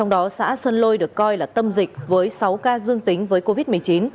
do xã sơn lôi được coi là tâm dịch với sáu ca dương tính với covid một mươi chín